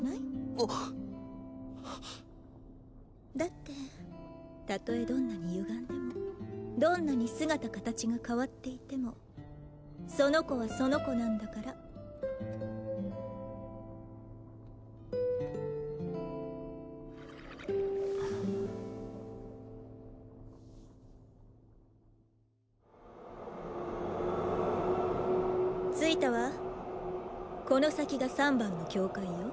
あっだってたとえどんなにゆがんでもどんなに姿形が変わっていてもその子はその子なんだから着いたわこの先が三番の境界よ